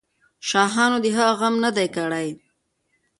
شاهانو د هغې غم نه دی کړی.